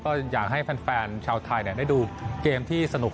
ก็อยากให้แฟนชาวไทยได้ดูเกมที่สนุก